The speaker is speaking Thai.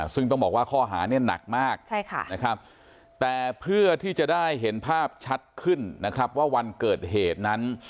ซึ่งต้องบอกว่าข้อหาเนี่ยหนักมากนะครับแต่เพื่อที่จะได้เห็นภาพชัดขึ้นนะครับว่าวันเกิดเหตุนั้น